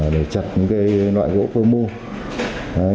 để chặt những loại gỗ phương mưu